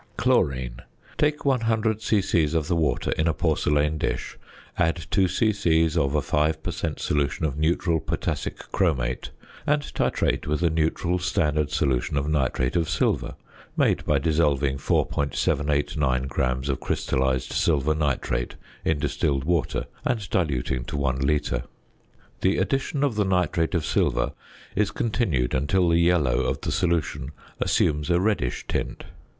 ~Chlorine.~ Take 100 c.c. of the water in a porcelain dish, add 2 c.c. of a 5 per cent. solution of neutral potassic chromate, and titrate with a neutral standard solution of nitrate of silver, made by dissolving 4.789 grams of crystallised silver nitrate in distilled water, and diluting to 1 litre. The addition of the nitrate of silver is continued until the yellow of the solution assumes a reddish tint.